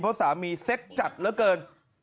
เพราะสามีเซ็กจัดเหลือเกิน